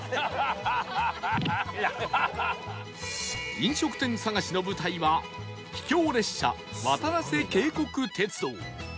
飲食店探しの舞台は秘境列車わたらせ渓谷鐵道